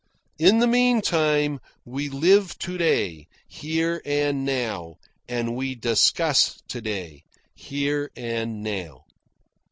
In the meantime, we live to day, here and now, and we discuss to day, here and now.